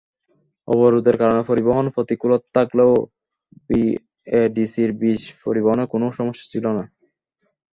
অবরোধের কারণে পরিবহনে প্রতিকূলতা থাকলেও বিএডিসির বীজ পরিবহনে কোনো সমস্যা ছিল না।